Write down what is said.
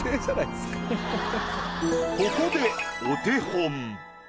ここでお手本。